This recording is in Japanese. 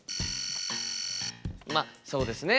まっそうですね。